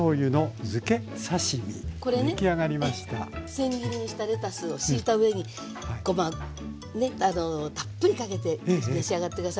せん切りにしたレタスを敷いた上にごまねたっぷりかけて召し上がって下さい。